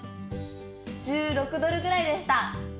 １６ドルぐらいでした。